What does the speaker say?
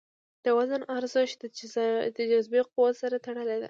د وزن ارزښت د جاذبې قوې سره تړلی دی.